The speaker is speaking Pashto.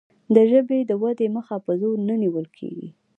د ژبې د ودې مخه په زور نه نیول کیږي.